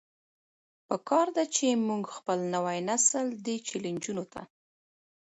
پکار ده چې مونږ خپل نوے نسل دې چيلنجونو ته